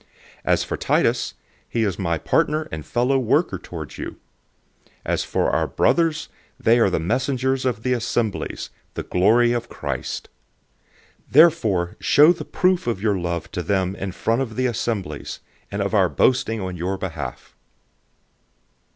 008:023 As for Titus, he is my partner and fellow worker for you. As for our brothers, they are the apostles of the assemblies, the glory of Christ. 008:024 Therefore show the proof of your love to them in front of the assemblies, and of our boasting on your behalf.